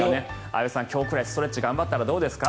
安部さん、今日くらいストレッチ頑張ったらどうですか。